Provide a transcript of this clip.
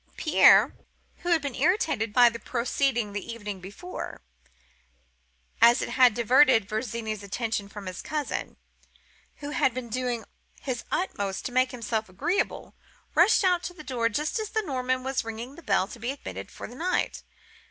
Pierre, who had been irritated by the proceeding the evening before, as it had diverted Virginie's attention from his cousin, who had been doing his utmost to make himself agreeable, rushed out to the door, just as the Norman was ringing the bell to be admitted for the night.